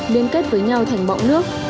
biên kết với nhau thành bọng nước